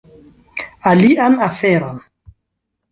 Alian aferon